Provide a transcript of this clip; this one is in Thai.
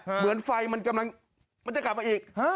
เหมือนไฟมันกำลังมันจะกลับมาอีก